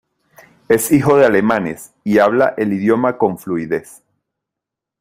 Es hijo de alemanes y habla el idioma con fluidez.